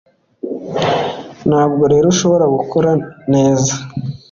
Ntabwo rero ushobora gukora neza